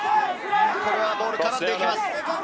これはボールに絡んできます。